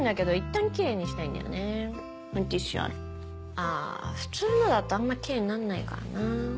あぁ普通のだとあんまキレイになんないからな。